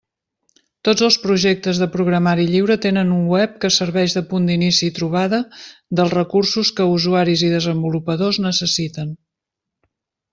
Tots els projectes de programari lliure tenen un web que serveix de punt d'inici i trobada dels recursos que usuaris i desenvolupadors necessiten.